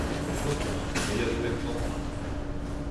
Gortoz, me 'ya d'ober tantad.